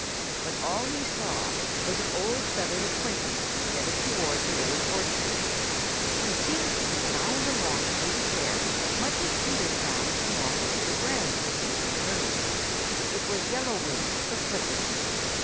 But all he saw was an old feathered acquaintance headed towards the Old Orchard. He seemed to bound along through the air much as Peter bounds along over the ground when he is in a hurry. It was Yellow Wing the Flicker.